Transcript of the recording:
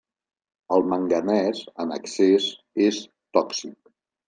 El manganès en excés és tòxic.